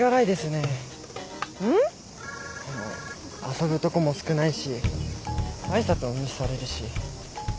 遊ぶとこも少ないし挨拶も無視されるし。